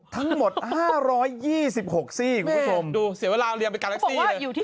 ทั้งหมด๕๒๖ซี่คุณผู้ชมดูเสียเวลาเรียนไปการแท็กซี่เลย